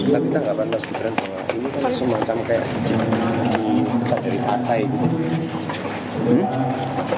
tapi kita gak pantas gibran bahwa ini kan semacam kayak dipecat dari partai gitu